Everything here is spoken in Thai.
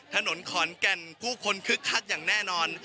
ถนนขอนแก่นผู้คนคึกคักอย่างแน่นอน